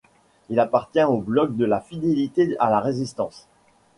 Il appartient au bloc de la fidélité à la Résistance.